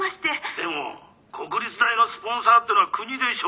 でも国立大のスポンサーってのは国でしょ？